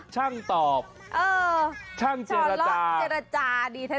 ชั่งตอบชั่วล่ะเจรจาดีแท้